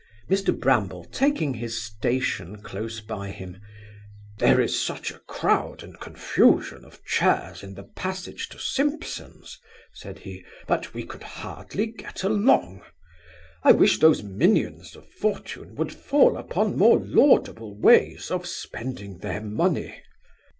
Mr Bramble, taking his station close by him, 'There is such a crowd and confusion of chairs in the passage to Simpson's (said he) that we could hardly get along I wish those minions of fortune would fall upon more laudable ways of spending their money.